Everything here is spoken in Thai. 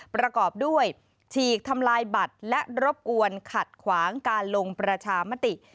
ประกอบด้วยฉีกทำลายบัตรและรบกวนขัดขวางการลงประชามติ